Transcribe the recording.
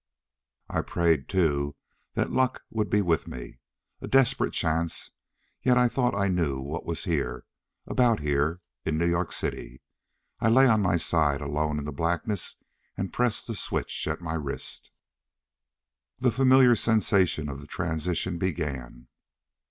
I prayed, too, that luck would be with me. A desperate chance, yet I thought I knew what was here, or about here, in New York City. I lay on my side, alone in the blackness, and pressed the switch at my wrist.... The familiar sensation of the transition began.